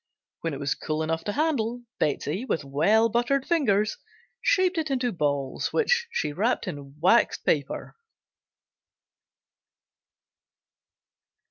When it was cool enough to handle, Betsey, with well buttered fingers, shaped it into balls, which she wrapped in waxed paper.